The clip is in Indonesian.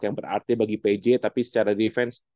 yang berarti bagi pj tapi secara defense